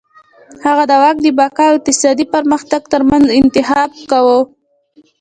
هغه د واک د بقا او اقتصادي پرمختګ ترمنځ انتخاب کاوه.